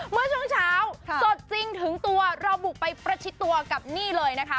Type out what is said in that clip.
เมื่อช่วงเช้าสดจริงถึงตัวเราบุกไปประชิดตัวกับนี่เลยนะคะ